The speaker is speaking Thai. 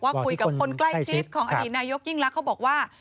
คุยกับคนใกล้ชิดของอดีตนายกยิ่งรักเขาบอกว่า